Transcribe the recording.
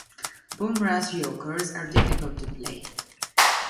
Bumrah's yokers are difficult to play.